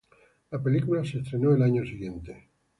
La película se estrenó al año siguiente.